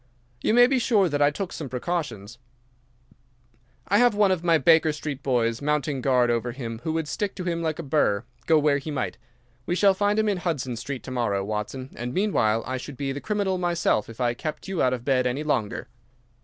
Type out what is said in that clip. "You may be sure that I took some precautions. I have one of my Baker Street boys mounting guard over him who would stick to him like a burr, go where he might. We shall find him in Hudson Street to morrow, Watson, and meanwhile I should be the criminal myself if I kept you out of bed any longer."